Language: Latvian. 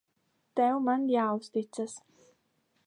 Tev man jāuzticas.